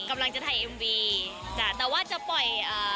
กำลังจะไถท์เอ็มวีค่ะแต่ว่าจะปล่อยเอ่อ